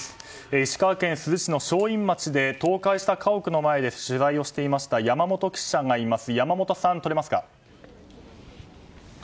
石川県珠洲市の正院町で倒壊した家屋の前で取材をしていました、山本記者です。